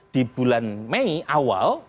di bulan mei awal